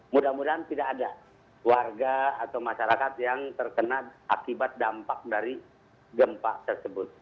mudah mudahan tidak ada warga atau masyarakat yang terkena akibat dampak dari gempa tersebut